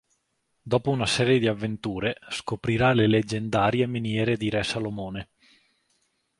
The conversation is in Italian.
Dopo una serie di avventure scoprirà le leggendarie miniere di Re Salomone.